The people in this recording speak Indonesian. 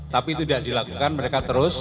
tapi tidak dilakukan mereka terus